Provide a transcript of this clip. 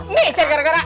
nih cari gara gara